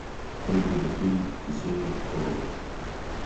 خلګو د فیل کیسې کولي.